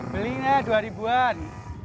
beli ya rp dua an